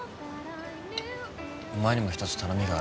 お前にも一つ頼みがあるんだ。